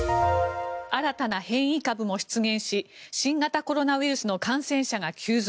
新たな変異株も出現し新型コロナウイルスの感染者が急増。